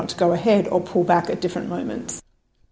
apakah kita harus meneruskan atau menarik pada saat yang berbeda